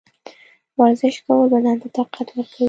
ورزش کول بدن ته طاقت ورکوي.